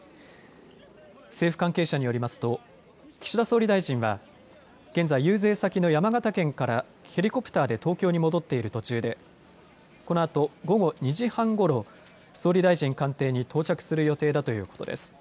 政府関係者によりますと岸田総理大臣は現在、遊説先の山形県からヘリコプターで東京に戻っている途中で、このあと午後２時半ごろ総理大臣官邸に到着する予定だということです。